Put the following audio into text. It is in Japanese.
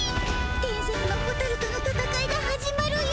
伝説のホタルとのたたかいが始まるよ。